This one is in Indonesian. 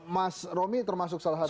mas romi termasuk salah satu